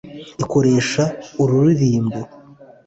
Ikoresha ururirimbo.